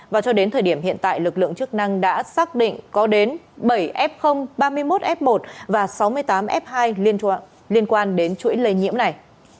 và cho đến thời điểm hiện tại lực lượng chức năng đã xác định có đến bảy f ba mươi một f một và sáu mươi tám f hai liên quan đến chuỗi lây nhiễm này